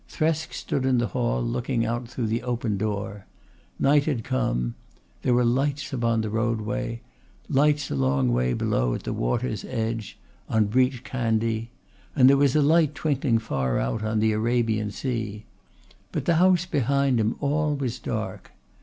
Thresk stood in the hall looking out through the open door. Night had come. There were lights upon the roadway, lights a long way below at the water's edge on Breach Candy, and there was a light twinkling far out on the Arabian Sea. But in the house behind him all was dark.